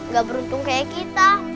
gak beruntung kayak kita